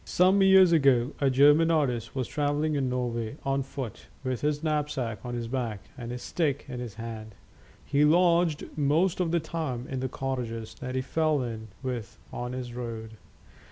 Some years ago a German Artist was travelling in Norway, on foot, with his knapsack on his back and his stick in his hand. He lodged most of time in the cottages that he fell in with on his road.